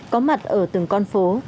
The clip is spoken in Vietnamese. có mặt ở từng con phố